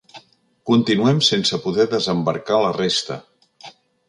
Continuem sense poder desembarcar la resta.